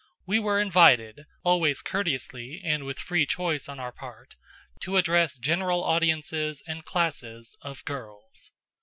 We were invited, always courteously and with free choice on our part, to address general audiences and classes of girls.